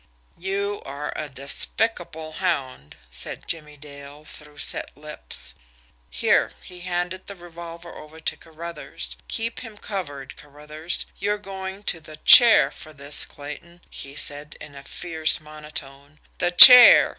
"You are a despicable hound," said Jimmie Dale, through set lips. "Here" he handed the revolver over to Carruthers "keep him covered, Carruthers. You're going to the CHAIR for this, Clayton," he said, in a fierce monotone. "The chair!